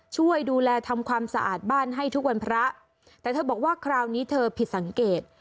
ช่วยดูแลทำความสะอาดบ้านให้ทุกวันพระแต่เธอบอกว่าคราวนี้เธอผิดสังเกต